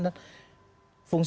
dan fungsi berikutnya